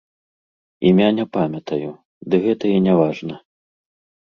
Імя не памятаю, ды гэта і не важна.